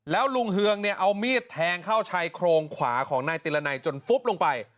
แล้วลุงเฮืองเนี่ยเอามีดแทงเข้าชายโครงขวาของนายติรนัยจนฟุบลงไป